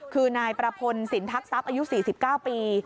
คือนายประพลสินทักทรัพย์อายุ๔๙ปี